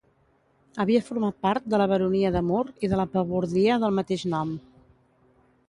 Havia format part de la baronia de Mur i de la pabordia del mateix nom.